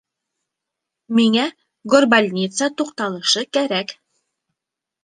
Миңә «Горбольница» туҡталышы кәрәк.